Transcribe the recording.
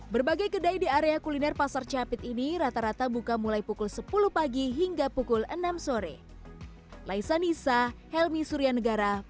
berbagai kedai di area kuliner pasar capit ini rata rata buka mulai pukul sepuluh pagi hingga pukul enam sore